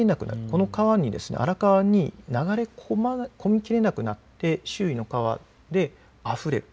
この荒川に流れ込みきれなくなって周囲の川で、あふれる。